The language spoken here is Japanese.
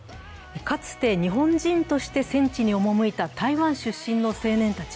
かつて日本人として戦地に赴いた台湾出身の青年たち。